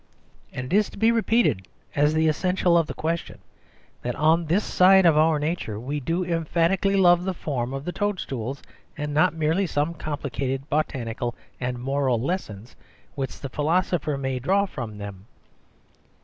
And it is to be repeated as the essential of the question that on this side of our nature we do emphatically love the form of the toad stools, and not merely some complicated botanical and moral lessons which the philosopher may draw from them.